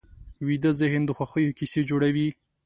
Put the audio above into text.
ویده ذهن د خوښیو کیسې جوړوي